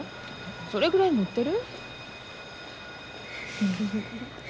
それぐらい持ってる。